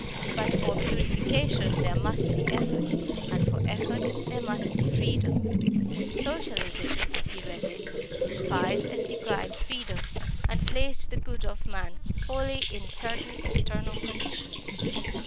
But for purification there must be effort, and for effort there must be freedom. Socialism, as he read it, despised and decried freedom, and placed the good of man wholly in certain external conditions.